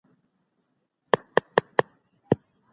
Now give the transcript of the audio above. صديق الله مين عبدالباري حيرت